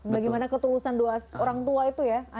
bagaimana ketulusan doa orang tua itu ya